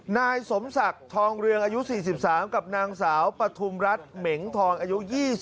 นายสมศักดิ์ทองเรืองอายุ๔๓กับนางสาวปฐุมรัฐเหม็งทองอายุ๒๒